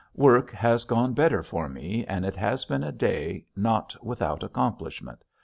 Work has gone better for me and it has been a day not without accomplishment.